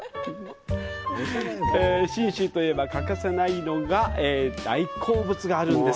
信州といえば欠かせない大好物があるんです。